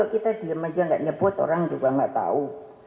kita diam aja gak nyebut orang juga gak tahu